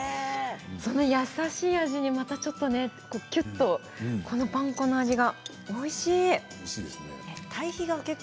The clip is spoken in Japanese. その優しい味にまたきゅっとパン粉の味がおいしい。